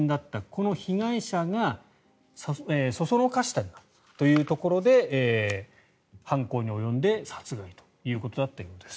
この被害者がそそのかしたというところで犯行に及んで殺害というところだったようです。